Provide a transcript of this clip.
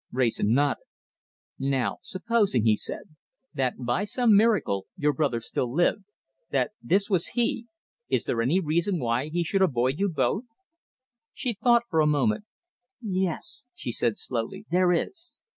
Wrayson nodded. "Now supposing," he said, "that, by some miracle, your brother still lived, that this was he, is there any reason why he should avoid you both?" She thought for a moment. "Yes!" she said slowly, "there is."